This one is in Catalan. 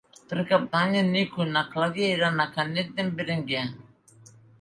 Per Cap d'Any en Nico i na Clàudia iran a Canet d'en Berenguer.